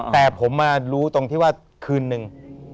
แต่ผมมารู้ตรงที่ว่าคืนนึง